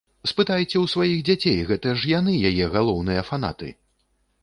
Спытайце ў сваіх дзяцей, гэта ж яны яе галоўныя фанаты!